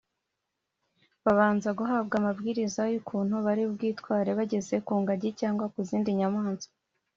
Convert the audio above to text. babanza guhabwa amabwiriza y’ukuntu bari bwitware bageze ku ngagi cyangwa ku zindi nyamaswa